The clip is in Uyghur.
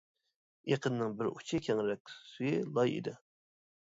ئېقىننىڭ بىر ئۇچى كەڭرەك، سۈيى لاي ئىدى.